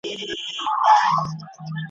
خدای خبر چي بیا به درسم پر ما مه ګوره فالونه !.